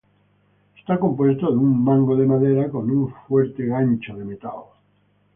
Está compuesto de un mango de madera con un fuerte gancho de metal.